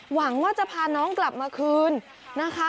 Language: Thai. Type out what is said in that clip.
หวังว่าจะพาน้องกลับมาคืนนะคะ